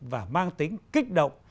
và mang tính kích động